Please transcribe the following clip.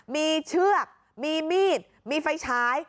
มีเชือกมีมีดมีไฟฉาย